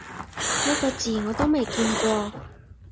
呢個字我都未見過